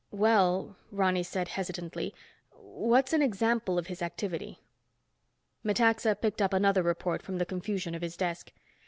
"Well," Ronny said hesitantly, "what's an example of his activity?" Metaxa picked up another report from the confusion of his desk.